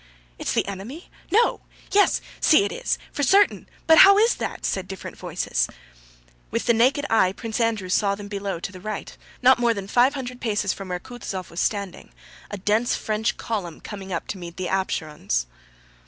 "It's the enemy?... No!... Yes, see it is!... for certain.... But how is that?" said different voices. With the naked eye Prince Andrew saw below them to the right, not more than five hundred paces from where Kutúzov was standing, a dense French column coming up to meet the Ápsherons.